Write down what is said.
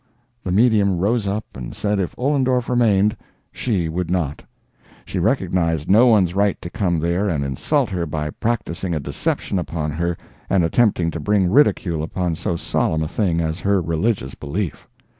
The medium rose up and said if Ollendorf remained, she would not. She recognized no one's right to come there and insult her by practicing a deception upon her and attempting to bring ridicule upon so solemn a thing as her religious belief.